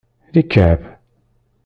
D ikɛeb.